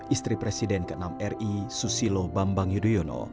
istri presiden ke enam ri susilo bambang yudhoyono